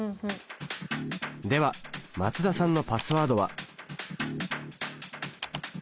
では松田さんのパスワードは？